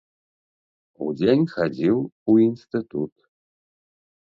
Удзень хадзіў у інстытут.